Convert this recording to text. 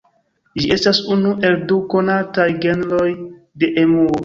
Ĝi estas unu el du konataj genroj de emuo.